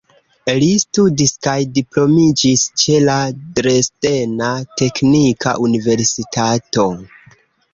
Li studis kaj diplomiĝis ĉe la Dresdena Teknika Universitato.